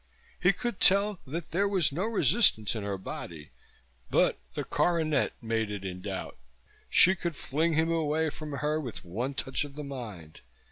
He could tell that there was no resistance in her body, but the coronet made it in doubt; she could fling him away from her with one touch of the mind.